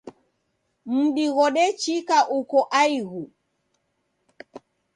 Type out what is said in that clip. Mudi ghodechika uko aighu